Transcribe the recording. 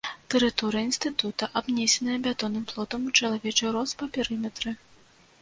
Тэрыторыя інстытута абнесеная бетонным плотам у чалавечы рост па перыметры.